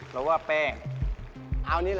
เราว่าแป้ง